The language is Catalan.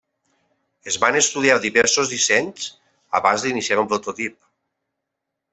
Es van estudiar diversos dissenys abans d'iniciar un prototip.